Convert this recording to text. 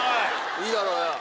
いいだろうよ。